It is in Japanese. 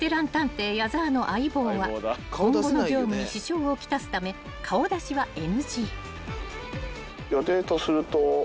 矢澤の相棒は今後の業務に支障を来すため顔出しはＮＧ］